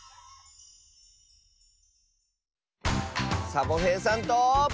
サボへいさんと。